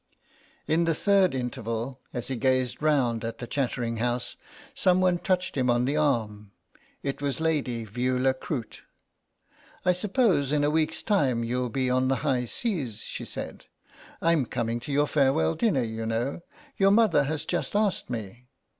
In the third interval, as he gazed round at the chattering house, someone touched him on the arm. It was Lady Veula Croot. "I suppose in a week's time you'll be on the high seas," she said. "I'm coming to your farewell dinner, you know; your mother has just asked me.